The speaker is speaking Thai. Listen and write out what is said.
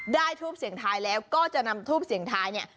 ทูปเสียงทายแล้วก็จะนำทูปเสียงท้ายเนี่ย